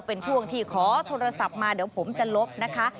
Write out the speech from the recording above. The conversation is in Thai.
เป็นช่วงที่ขอโทรศัพท์มาเดี๋ยวผมจะลบนะคะ